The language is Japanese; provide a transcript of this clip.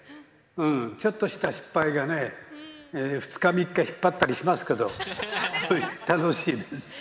ちょっとした失敗がね、２日、３日引っ張ったりしますけど、楽しいです。